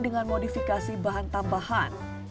dan juga modifikasi bahan tambahan